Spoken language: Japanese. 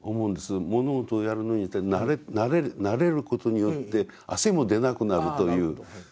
物事をやるのに慣れることによって汗も出なくなるという状態